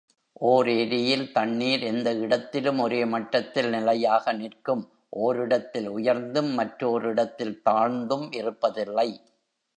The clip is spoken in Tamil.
ஓர் ஏரியில் தண்ணீர் எந்த இடத்திலும் ஒரே மட்டத்தில் நிலையாக நிற்கும் ஓரிடத்தில் உயர்ந்தும் மற்றோரிடத்தில் தாழ்ந்தும் இருப்பதில்லை.